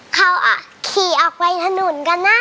เขาอ่ะขี่ออกไปถนนกันอ่ะ